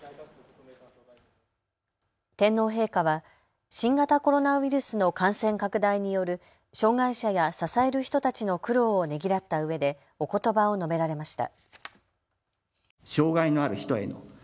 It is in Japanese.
天皇陛下は新型コロナウイルスの感染拡大による障害者や支える人たちの苦労をねぎらったうえでおことばを述べられました。